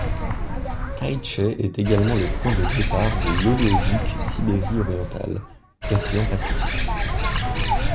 Taïchet est également le point de départ de l’oléoduc Sibérie orientale - océan Pacifique.